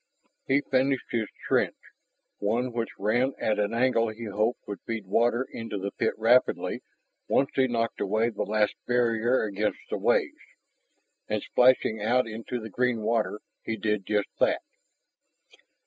He finished his trench, one which ran at an angle he hoped would feed water into the pit rapidly once he knocked away the last barrier against the waves. And, splashing out into the green water, he did just that.